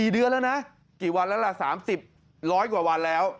๔เดือนแล้วนะสามสิบร้อยกว่าวันแล้ว